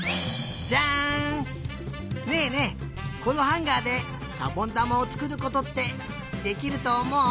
このハンガーでしゃぼんだまをつくることってできるとおもう？